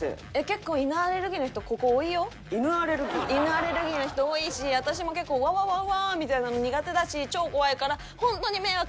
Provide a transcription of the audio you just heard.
アレルギーの人多いし私も結構「ワンワンワンワーン」みたいなの苦手だし超怖いから本当に迷惑！